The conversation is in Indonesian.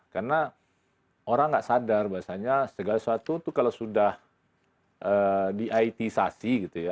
karena orang tidak sadar bahasanya segala sesuatu itu kalau sudah di it sasi gitu ya